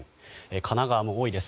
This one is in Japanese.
神奈川も多いです。